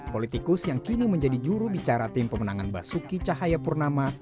politikus yang kini menjadi juru bicara tim pemenangan basuki cahaya purnama